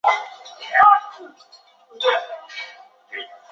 软体互锁机制在有竞争危害时会失效。